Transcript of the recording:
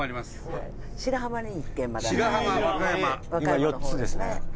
今４つですね。